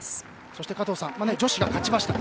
そして、加藤さん女子が勝ちました。